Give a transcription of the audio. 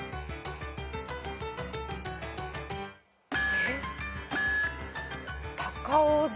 えっ。